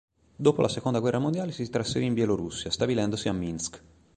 Dopo la seconda guerra mondiale si trasferì in Bielorussia, stabilendosi a Minsk.